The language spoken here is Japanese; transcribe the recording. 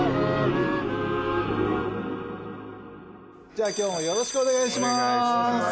じゃあ今日もよろしくお願いします。